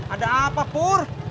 ada apa pur